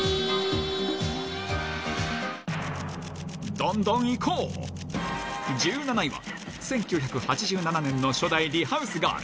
どんどんいこう、１７位は、１９８７年の初代リハウスガール。